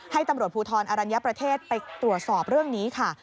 ให้ตำรวจภูทรอรัญญประเทศไปตรวจสอบเรื่องนี้ค่ะ